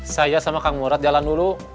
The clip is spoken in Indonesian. saya sama kang murad jalan dulu